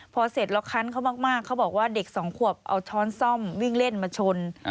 พอเสร็จแล้วคันเขามากเขาบอกว่าเด็กสองขวบเอาช้อนซ่อมวิ่งเล่นมาชน